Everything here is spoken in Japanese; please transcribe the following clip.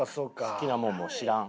好きなもんも知らん？